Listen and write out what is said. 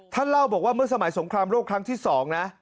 เล่าบอกว่าเมื่อสมัยสงครามโลกครั้งที่๒นะ